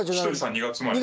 ２月生まれ。